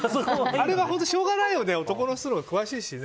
あれはしょうがないよね男の人のほうが詳しいし。